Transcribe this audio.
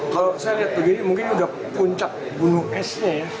kalau saya lihat begini mungkin sudah puncak gunung esnya ya